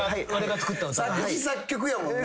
作詞作曲やもんな。